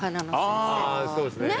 あぁそうですね。